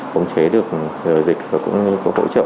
cống chế được dịch và cũng có hỗ trợ